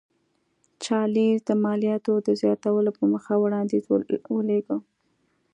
چارلېز د مالیاتو د زیاتولو په موخه وړاندیز ولېږه.